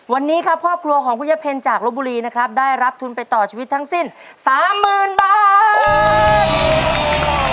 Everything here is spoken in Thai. วันนี้ครับครอบครัวของคุณยะเพ็ญจากลบบุรีนะครับได้รับทุนไปต่อชีวิตทั้งสิ้น๓๐๐๐บาท